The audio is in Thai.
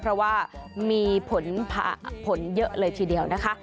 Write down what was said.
เพราะว่ามีผลเยอะเลยทีเดียวนะคะ